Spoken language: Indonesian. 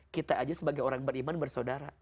kita aja sebagai orang beriman bersaudara